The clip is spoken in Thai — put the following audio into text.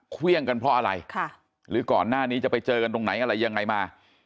เครื่องกันเพราะอะไรหรือก่อนหน้านี้จะไปเจอกันตรงไหนอะไรยังไงมา